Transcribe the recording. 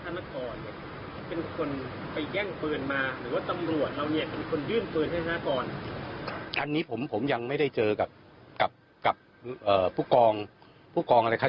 ตัวของท่านนัทรอนเป็นคนไปแย่งเปลือนมาหรือว่าตำรวจเราเป็นคนยื่นเปลือนให้นัทรอน